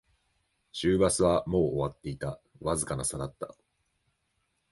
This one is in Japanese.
終バスはもう終わっていた、わずかな差だった